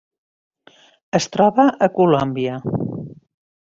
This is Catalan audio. Es troba a Colòmbia.